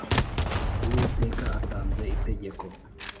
uwiteka atanze itegeko